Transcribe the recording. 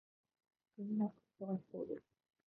皆忙しそうです。